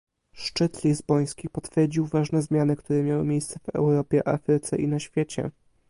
Szczyt lizboński potwierdził ważne zmiany, które miały miejsce w Europie, Afryce i na świecie